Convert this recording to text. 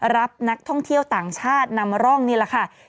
รับนักท่องเที่ยวต่างชาตินำร่องนี่แหละค่ะ